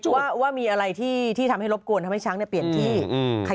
ว่าว่ามีอะไรที่ที่ทำให้รบกวนทำให้ช้างเนี่ยเปลี่ยนที่อืม